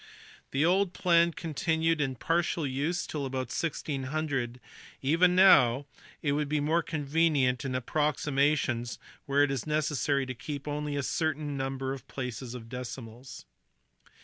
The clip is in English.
The old plan continued in partial use till about 1600; even now it would be more convenient in approximations where it is necessary to keep only a certain number of places of decimals.